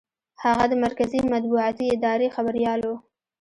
هغه د مرکزي مطبوعاتي ادارې خبریال و.